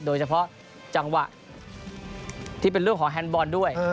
โดยเฉพาะจังหวะที่เป็นเรื่องของแฮนดบอลด้วย